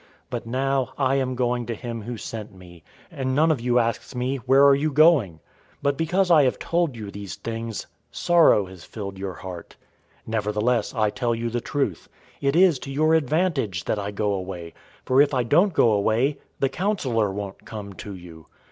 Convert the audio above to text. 016:005 But now I am going to him who sent me, and none of you asks me, 'Where are you going?' 016:006 But because I have told you these things, sorrow has filled your heart. 016:007 Nevertheless I tell you the truth: It is to your advantage that I go away, for if I don't go away, the Counselor won't come to you.